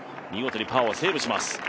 見事にパーをセーブします。